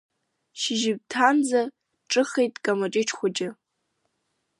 Шьыжьымҭанӡа дҿыхеит Камаҷыҷ хәыҷы.